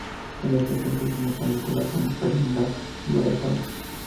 La inflorescencia es una panícula con un piramidal o ovadas forma.